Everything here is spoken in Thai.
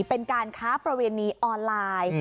เป็นการค้าประเวณีออนไลน์